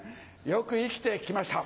よく生きて来ました。